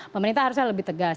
pemerintah harusnya lebih tegas